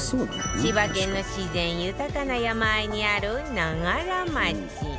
千葉県の自然豊かな山あいにある長柄町。